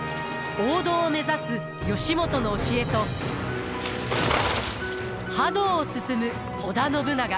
王道を目指す義元の教えと覇道を進む織田信長。